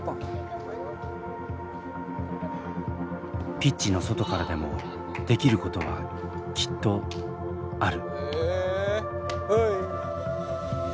ピッチの外からでもできることはきっとある。